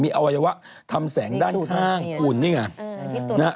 อวัยวะทำแสงด้านข้างคุณนี่ไงนะฮะ